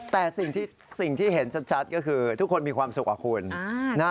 แต่สิ่งที่เห็นชัดก็คือทุกคนมีความสุขอะคุณ